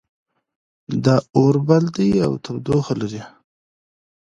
دا اور بل ده او تودوخه لري